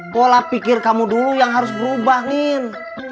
pola pikir kamu dulu yang harus berubah ngin